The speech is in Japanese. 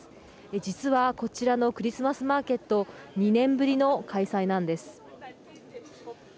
実はこちらのクリスマスマーケット２年ぶりの開催なんです。